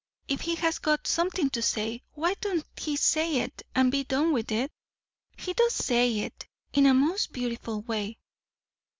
If he has got something to say, why don't he say it, and be done with it?" "He does say it, in a most beautiful way."